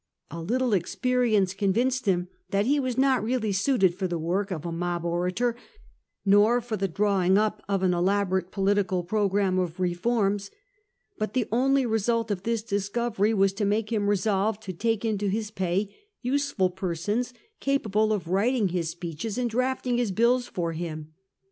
A little experience convinced him that he was not really suited for the work of a mob orator, nor for the drawing up of an elaborate political programme of reforms. But the only result of this discovery was to make him resolve to take into his pay useful persons capable of writing his speeches and drafting his bills for him.